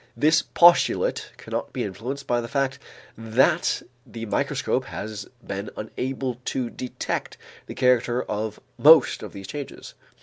This postulate cannot be influenced by the fact that the microscope has been unable to detect the character of most of these changes.